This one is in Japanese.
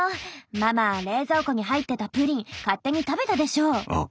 ママ冷蔵庫に入ってたプリン勝手に食べたでしょ。